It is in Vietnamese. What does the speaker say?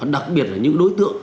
đặc biệt là những đối tượng